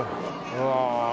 うわ。